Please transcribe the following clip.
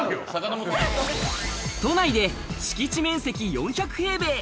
都内で敷地面積４００平米。